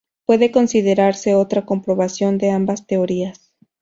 Puede considerarse otra comprobación de ambas teorías.